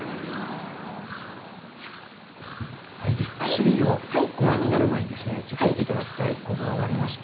ビッグ３をご覧になる前にですねちょっと見て頂きたいお像がありまして。